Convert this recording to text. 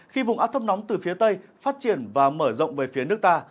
khi vùng áp thấp nóng từ phía tây phát triển và mở rộng về phía nước ta